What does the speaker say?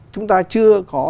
chúng ta chưa có